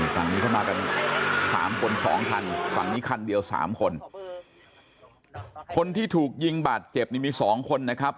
ฝั่งนี้ก็มากัน๓คน๒คันฝั่งนี้คันเดียว๓คนคนที่ถูกยิงบาดเจ็บนี่มี๒คนนะครับ